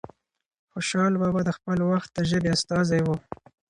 خوشال بابا د خپل وخت د ژبې استازی دی.